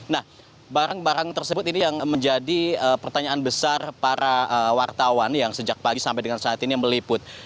nah barang barang tersebut ini yang menjadi pertanyaan besar para wartawan yang sejak pagi sampai dengan saat ini meliput